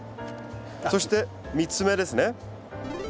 そして３つ目ですね。